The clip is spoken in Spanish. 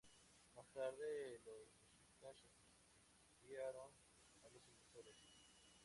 Más tarde, los mexicas sitiaron a los invasores.